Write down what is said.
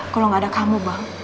kalau nggak ada kamu bang